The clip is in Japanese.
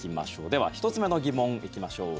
では、１つ目の疑問行きましょう。